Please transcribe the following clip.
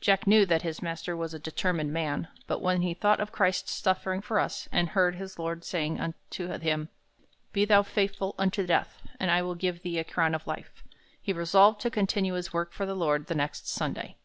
Jack knew that his master was a determined man, but when he thought of Christ's sufferings for us, and heard his Lord saying unto him, "Be thou faithful unto death, and I will give thee a crown of life," he resolved to continue his work for the Lord the next Sunday.